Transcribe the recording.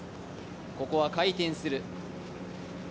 ここは回転する。